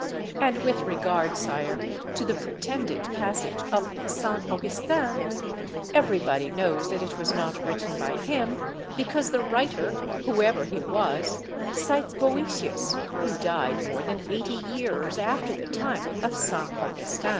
And with regard, sire, to the pretended passage of St. Augustin, everybody knows that it was not written by him, because the writer, whoever he was, cites Boetius, who died more than eighty years after the time of St. Augustin.